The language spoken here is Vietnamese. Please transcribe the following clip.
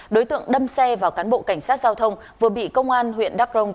đối tượng đâm xe vào cán bộ cảnh sát giao thông vừa bị công an huyện đắk rông